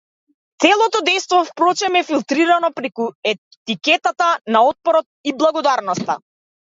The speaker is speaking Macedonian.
Целото дејство впрочем е филтритано преку етикетата на отпорот и благородноста.